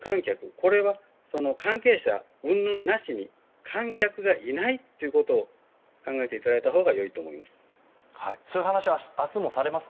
これは関係者うんぬんなしに観客がいないということを考えていただいたほうが良いと思います。